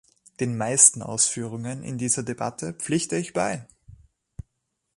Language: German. Den meisten Ausführungen in dieser Debatte pflichte ich bei.